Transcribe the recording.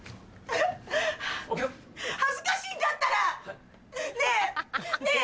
恥ずかしいんだったら！ねぇ？ねぇ？